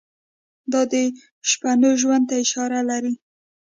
دا د شپنو ژوند ته اشاره لري.